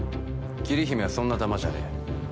桐姫はそんなタマじゃねえ